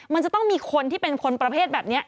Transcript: มันจะต้องมีคนที่เป็นคนประเภทแบบนี้